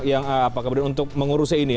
yang apa kemudian untuk mengurusi ini